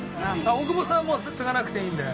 大久保さんもうつがなくていいんで。